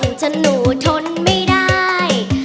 ที่บ่นจนหนูทนไม่ได้